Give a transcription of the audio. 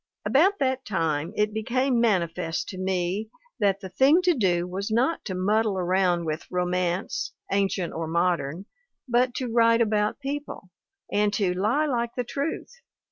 About that time, it became manifest to me that the thing to do was not to muddle around with romance, ancient or modern, but to write about people, and to 'lie like the truth.